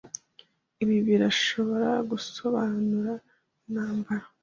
Ibi birashobora gusobanura intambara